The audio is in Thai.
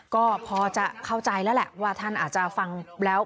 ก็พอจะเข้าใจแล้วแหละว่าท่านอาจจะฟังแล้ว